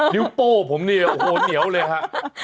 นิ้วโป้งผมเนี่ยโหเหนียวเลยค่ะ